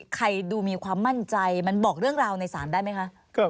ใครดูมีความมั่นใจมันบอกเรื่องราวในศาลได้ไหมคะ